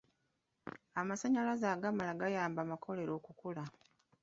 Amasannyalaze agamala gayamba amakolero okukula.